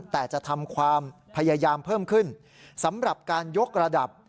แต่จะทำความพยายามเพิ่มขึ้นสำหรับการยกระดับ